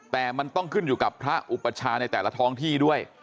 แต่มันต้องขึ้นอยู่กับพระอุปชาในแต่ละท้องที่ด้วย